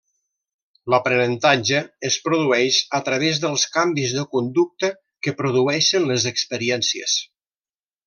L'aprenentatge es produeix a través dels canvis de conducta que produeixen les experiències.